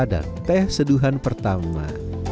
dan teh seduhan pertama